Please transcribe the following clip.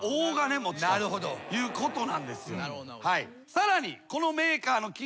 さらに。